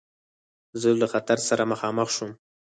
زه له خطر سره مخامخ شوم.